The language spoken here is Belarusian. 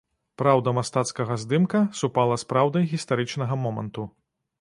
Праўда мастацкага здымка супала з праўдай гістарычнага моманту.